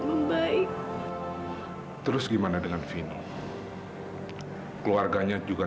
sampai jumpa di video selanjutnya